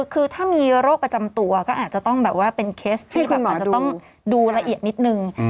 คือถ้ามีโรคประจำตัวก็อาจจะต้องแบบว่าเป็นเคสที่แบบอาจจะต้องดูละเอียดนิดนึง